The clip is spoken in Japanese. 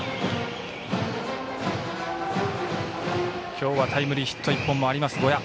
今日はタイムリーヒット１本もあります、呉屋。